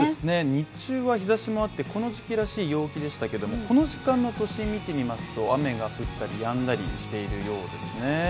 日中は日差しもあってこの時期らしい陽気でしたけどもこの時間の都心見てみますと雨が降ったり止んだりしているようですね